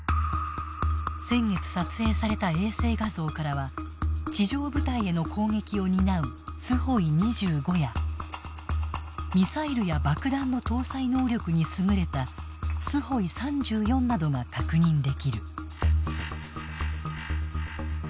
先月撮影された衛星画像からは地上部隊への攻撃を担うスホイ２５やミサイルや爆弾の搭載能力に優れたスホイ３４などが確認できる。